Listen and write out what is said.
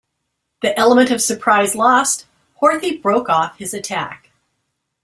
The element of surprise lost, Horthy broke off his attack.